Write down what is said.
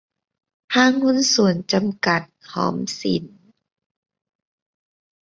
ห้างหุ้นส่วนจำกัด หอมสิน